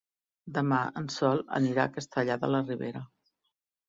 Demà en Sol anirà a Castellar de la Ribera.